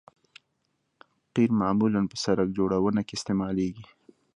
قیر معمولاً په سرک جوړونه کې استعمالیږي